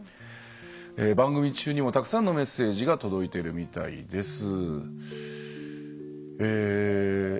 番組中にもたくさんのメッセージが届いてるみたいです。